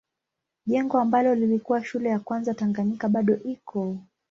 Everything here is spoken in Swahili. Jengo ambalo lilikuwa shule ya kwanza Tanganyika bado iko.